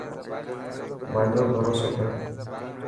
مانجو ڀروسو ڪر.